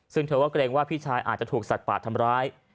ซึ่งเธอก็เกรงว่าพี่ชายอาจจะถูกสัตว์ป่าทำร้าย